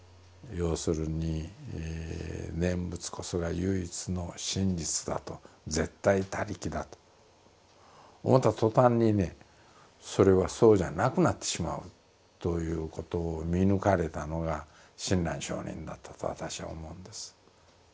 要するに念仏こそが唯一の真実だと絶対他力だと思ったとたんにねそれはそうじゃなくなってしまうということを見抜かれたのが親鸞聖人だったと私は思うんです。